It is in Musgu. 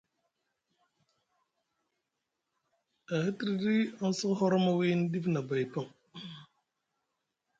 E hitriti aŋ sa hormo wiini ɗif nʼabay paŋ,